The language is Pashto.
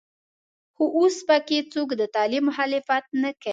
خو اوس په کې څوک د تعلیم مخالفت نه کوي.